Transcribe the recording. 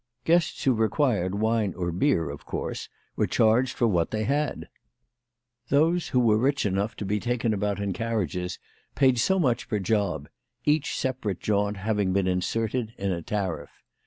Guests who required wine or beer, of course, were charged for what they had. Those who were rich enough to be c 18 WHY FRAU FROHMANN RAISED HER PRICES. taken about in carriages paid so much per job, each separate jaunt having been inserted in a tariff.